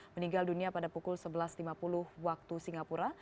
meninggal dunia pada pukul sebelas lima puluh waktu singapura